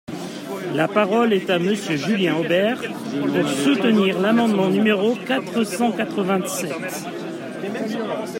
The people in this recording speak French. La parole est à Monsieur Julien Aubert, pour soutenir l’amendement numéro quatre cent quatre-vingt-sept.